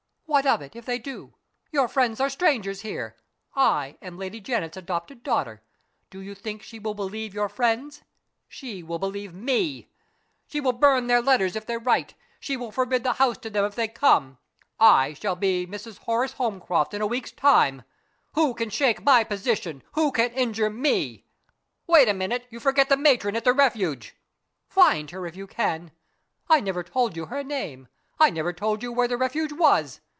"What of it, if they do? Your friends are strangers here. I am Lady Janet's adopted daughter. Do you think she will believe your friends? She will believe me. She will burn their letters if they write. She will forbid the house to them if they come. I shall be Mrs. Horace Holmcroft in a week's time. Who can shake my position? Who can injure Me?" "Wait a little. You forget the matron at the Refuge." "Find her, if you can. I never told you her name. I never told you where the Refuge was."